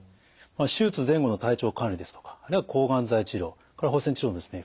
手術前後の体調管理ですとかあるいは抗がん剤治療放射線治療のですね